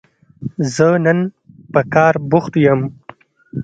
زه نن په کار بوخت يم